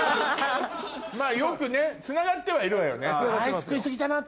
よくねつながってはいるわよね。